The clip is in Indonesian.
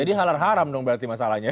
jadi halal haram dong berarti masalahnya